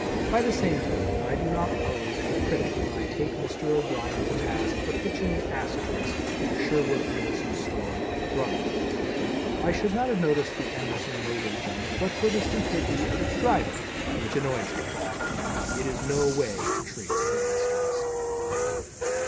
By the same token, I do not pose as a critic when I take Mr. O'Brien to task for hitching an Asterisk to Sherwood Anderson's story, "Brothers." I should not have noticed the Anderson load of junk, but for the stupidity of its driver, which annoys me. It is no way to treat an Asterisk.